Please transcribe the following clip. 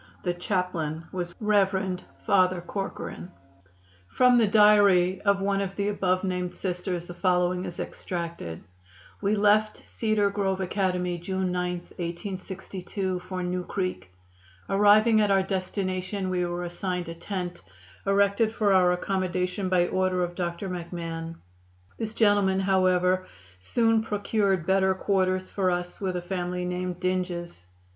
The chaplain was Rev. Father Corcoran. [Illustration: BATTLE OF WILSON'S CREEK.] From the diary of one of the above named Sisters the following is extracted: "We left Cedar Grove Academy June 9, 1862, for New Creek. Arriving at our destination, we were assigned a tent, erected for our accommodation by order of Dr. McMahon. This gentleman, however, soon procured better quarters for us with a family named Dinges.